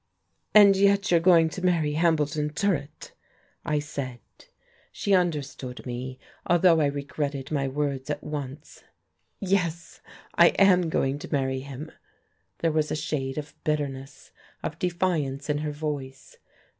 "And yet you are going to marry Hambleton Durrett!" I said. She understood me, although I regretted my words at once. "Yes, I am going to marry him." There was a shade of bitterness, of defiance in her voice.